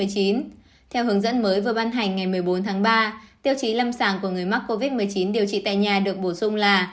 theo hướng dẫn mới vừa ban hành ngày một mươi bốn tháng ba tiêu chí lâm sàng của người mắc covid một mươi chín điều trị tại nhà được bổ sung là